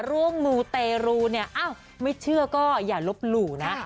ร่วมมูเตรูเนี่ยไม่เชื่อก็อย่าลบหลู่นะ